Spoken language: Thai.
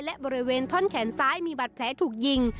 และบริเวณท่อนแขนซ้ายมีบัตรแผลถูกยิง